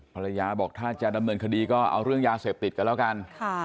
ภรรยาบอกถ้าจะดำเนินคดีก็เอาเรื่องยาเสพติดกันแล้วกัน